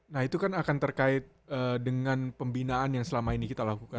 nah itu kan akan terkait dengan pembinaan yang selama ini kita lakukan